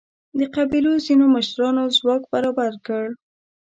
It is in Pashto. د قبیلو ځینو مشرانو ځواک برابر کړ.